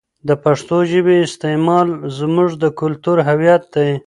د پښتو ژبې استعمال زموږ د کلتور هویت دی.